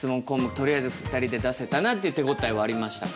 とりあえず２人で出せたなっていう手応えはありましたか？